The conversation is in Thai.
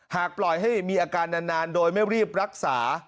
หากปล่อยให้มีอาการนานโดยไม่รีบรักษา